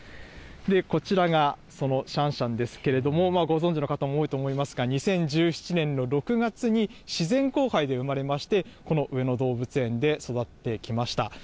こちらが、そのシャンシャンですけれども、ご存じの方も多いと思いますが、２０１７年の６月に自然交配で生まれまして、この上野動物園で育ってきました。